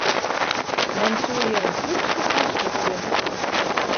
Men soe hjir in krupsje fan skypje.